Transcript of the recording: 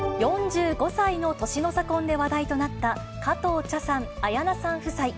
４５歳の年の差婚で話題となった、加藤茶さん、綾菜さん夫妻。